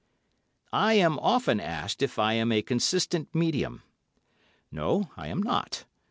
I am often asked if I am a consistent medium. No, I am not.